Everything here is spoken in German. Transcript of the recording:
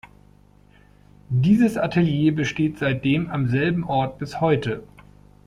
Dieses Atelier besteht seitdem am selben Ort bis heute.